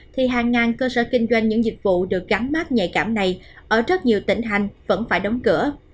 thì hàng ngàn cơ sở kinh doanh những dịch vụ được gắn mát nhạy cảm này ở rất nhiều tỉnh hành vẫn phải đóng cửa